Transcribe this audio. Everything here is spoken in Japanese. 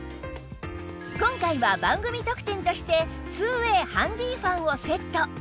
今回は番組特典として ２ＷＡＹ ハンディーファンをセット